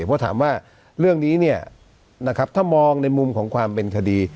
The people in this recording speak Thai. เพราะถามว่าเรื่องนี้เนี่ยนะครับถ้ามองในมุมของความเป็นคดี